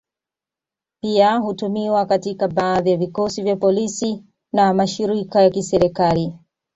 Pia hutumiwa katika baadhi ya vikosi vya polisi na mashirika ya kiserikali.